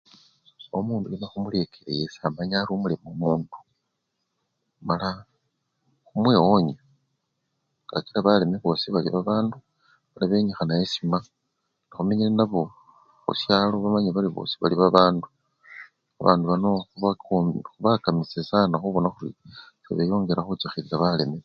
Omundu yuno khumulekele yesi amanye ari omuleme yesi omundu mala khumuwe wonyo kakila baleme bosi bali babandu mala benyikhana eshima nga khumenya nabo khusyalo bamanye bari bosi bali baband, babandu bano khubaku! khubakamishe sana khubona khuri sebeyongela khuchakhilila baleme taa.